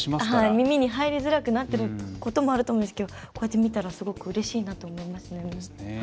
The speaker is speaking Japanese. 耳に入りづらくなっていることもあると思うんですけどこうやって見たらすごくうれしいなと思いますね。